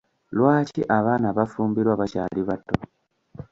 Lwaki abaana bafumbirwa bakyali bato.